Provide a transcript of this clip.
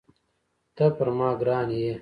ته پر ما ګران یې